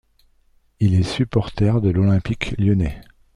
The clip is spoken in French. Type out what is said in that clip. Il est supporter de l'Olympique lyonnais.